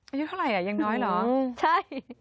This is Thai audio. อายุเท่าไหร่อ่ะยังน้อยเหรอใช่